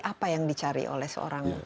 apa yang dicari oleh seorang